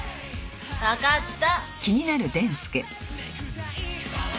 わかった。